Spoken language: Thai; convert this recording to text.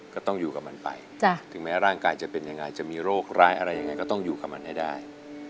ก็ต้องอยู่กับมันไปถึงแม้ร่างกายจะเป็นยังไงจะมีโรคร้ายอะไรยังไงก็ต้องอยู่กับมันให้ได้